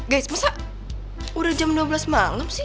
guys masa udah jam dua belas malam sih